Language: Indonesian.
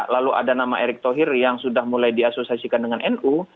lalu ada nama erick thohir yang sudah mulai diasosiasikan dengan nu